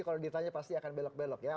kalau ditanya pasti akan belok belok ya